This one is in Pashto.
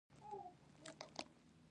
د ټکټونو د راکړې پر مهال یې هېڅ نه وو ویلي.